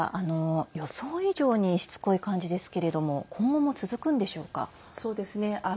予想以上にしつこい感じですけれども今後も続くんでしょうか。